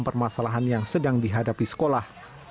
permasalahan yang sedang dihadapi sekolah